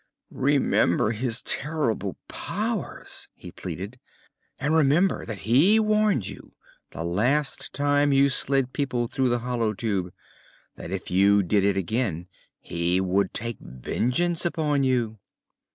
"Remember his terrible powers," he pleaded, "and remember that he warned you, the last time you slid people through the Hollow Tube, that if you did it again he would take vengeance upon you."